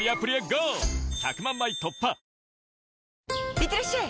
いってらっしゃい！